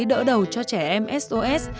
đỡ đầu cho trẻ em sos